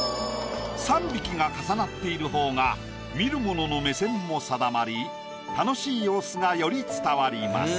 ３匹が重なっている方が見る者の目線も定まり楽しい様子がより伝わります。